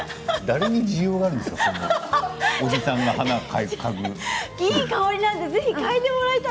誰に需要があるんですか？